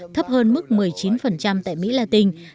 thấp hơn mức một mươi chín tại mỹ latin